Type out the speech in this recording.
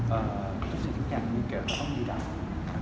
เรื่องแทนมเหมือนกัน